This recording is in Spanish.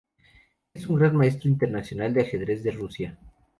Es un Gran Maestro Internacional de ajedrez de Rusia.